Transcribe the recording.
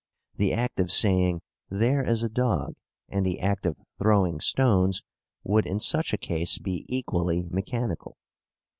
The act of saying "There is a dog," and the act of throwing stones, would in such a case be equally mechanical.